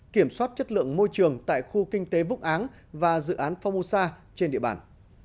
kiểm soát chất lượng môi trường tại khu kinh tế vũng áng và dự án phongmosa trên địa bàn